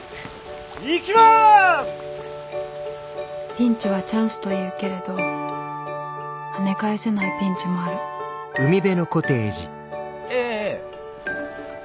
ピンチはチャンスというけれど跳ね返せないピンチもあるええええええ。